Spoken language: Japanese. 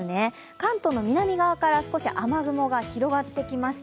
関東の南側から少し雨雲が広がってきました。